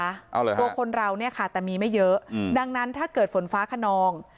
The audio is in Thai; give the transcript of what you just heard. ตัวคนเราขาดแต่มีไม่เยอะดังนั้นถ้าเกิดฝนฟ้าขนอง